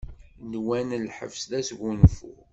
Nwan lḥebs d asgunfu.